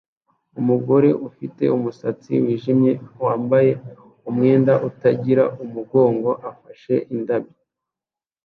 Umugore ufite umusatsi wijimye wambaye umwenda utagira umugongo afashe indabyo